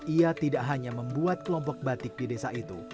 ia tidak hanya membuat kelompok batik di desa itu